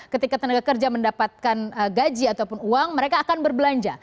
ketika tenaga kerja mendapatkan gaji ataupun uang mereka akan berbelanja